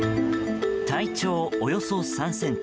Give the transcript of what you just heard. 体長およそ３ｃｍ。